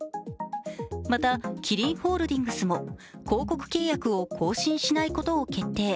またキリンホールディングスも広告契約を更新しないことを決定。